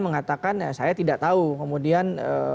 mengatakan saya tidak tahu kemudian